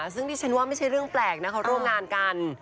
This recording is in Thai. ซึ่งดิฉันว่าไม่ใช่เรื่องแปลกนะเขาร่วมงานกัน